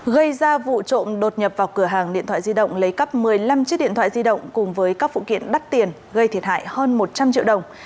gây ra vụ trộm đột nhập vào cửa hàng điện thoại di động lấy cắp một mươi năm chiếc điện thoại di động cùng với các phụ kiện đắt tiền gây thiệt hại hơn một trăm linh triệu đồng